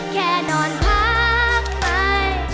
แค่นอนพักใหม่